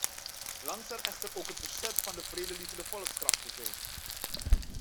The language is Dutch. Lang zal echter ook het verzet van de vredelievende volkskrachten zijn.